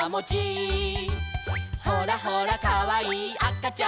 「ほらほらかわいいあかちゃんも」